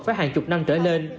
phải hàng chục năm trở lên